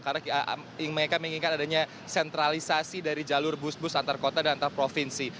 karena mereka menginginkan adanya sentralisasi dari jalur bus bus antar kota dan antar provinsi